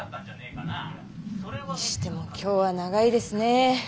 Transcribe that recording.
にしても今日は長いですね